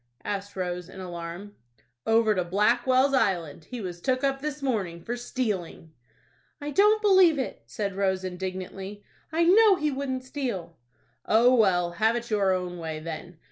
asked Rose, in alarm. "Over to Blackwell's Island. He was took up this morning for stealing." "I don't believe it," said Rose, indignantly. "I know he wouldn't steal." "Oh, well, have it your own way, then.